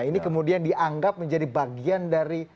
ini kemudian dianggap menjadi bagian dari